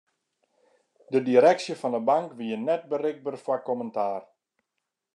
De direksje fan 'e bank wie net berikber foar kommentaar.